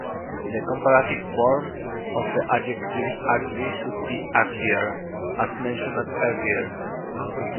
The comparative form of the adjective "ugly" should be "uglier," as mentioned earlier.